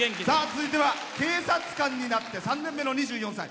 続いては警察官になって、３年目の２４歳。